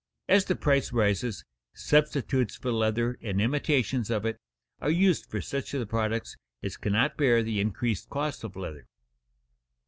As the price rises, substitutes for leather, and imitations of it, are used for such of the products as cannot bear the increased cost of leather.